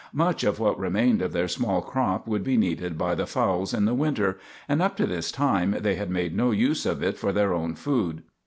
Much of what remained of their small crop would be needed by the fowls in the winter, and up to this time they had made no use of it for their own food.